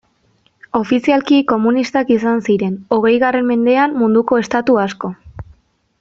Ofizialki komunistak izan ziren, hogeigarren mendean, munduko estatu asko.